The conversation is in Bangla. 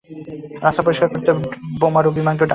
রাস্তা পরিষ্কার করতে বোমারু বিমানকে ডাক পাঠাও!